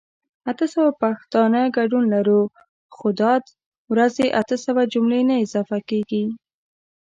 اته سوه پښتانه ګډون لرو خو دا ورځې اته سوه جملي نه اضافه کيږي